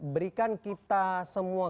berikan kita semua